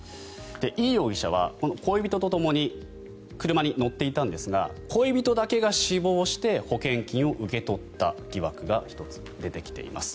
イ容疑者は恋人とともに車に乗っていたんですが恋人だけが死亡して保険金を受け取った疑惑が１つ、出てきています。